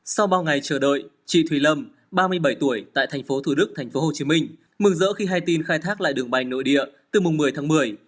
sau bao ngày chờ đợi chị thùy lâm ba mươi bảy tuổi tại thành phố thủ đức thành phố hồ chí minh mừng rỡ khi hay tin khai thác lại đường bành nội địa từ mùng một mươi tháng một mươi